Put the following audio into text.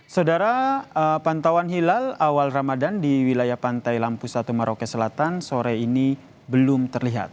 saudara pantauan hilal awal ramadan di wilayah pantai lampu satu maroke selatan sore ini belum terlihat